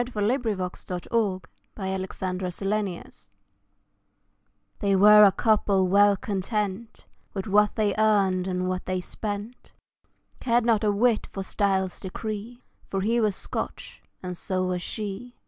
For He was Scotch and so was She They were a couple well content With what they earned and what they spent, Cared not a whit for style's decree, For he was Scotch, and so was she.